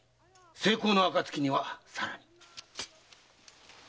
成功の暁にはさらに。